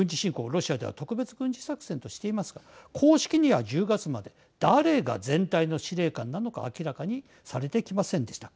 ロシアでは特別軍事作戦としていますが公式には１０月まで誰が全体の司令官なのか明らかにされてきませんでした。